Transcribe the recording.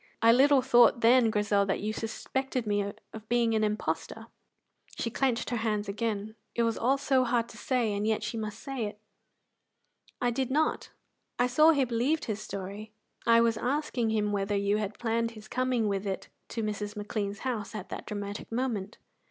"I little thought then, Grizel, that you suspected me of being an impostor." She clenched her hands again; it was all so hard to say, and yet she must say it! "I did not. I saw he believed his story. I was asking him whether you had planned his coming with it to Mrs. McLean's house at that dramatic moment."